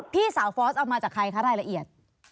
พี่สาวฟอสเอามาจากใครคะรายละเอียด